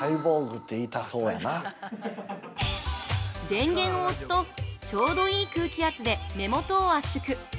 ◆電源を押すと、ちょうどいい空気圧で目元を圧縮。